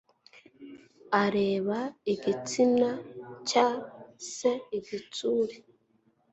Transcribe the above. areba igitsina cya se igitsure